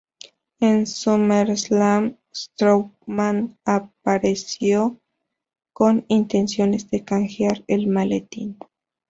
En SummerSlam, Strowman apareció con intenciones de canjear el maletín.